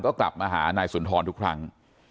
ก็กลับมาหานายสุนทรทุกครั้ง